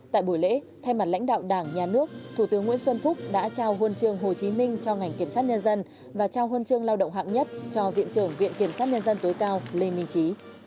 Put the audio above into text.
tại buổi lễ thay mặt lãnh đạo đảng nhà nước thủ tướng nguyễn xuân phúc đã trao huân trường hồ chí minh cho ngành kiểm sát nhân dân và trao huân chương lao động hạng nhất cho viện trưởng viện kiểm sát nhân dân tối cao lê minh trí